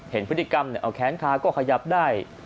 เห็นพฤติกรรมเอาแค้นคาก็ขยับได้